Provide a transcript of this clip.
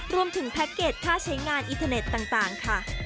แพ็คเกจค่าใช้งานอินเทอร์เน็ตต่างค่ะ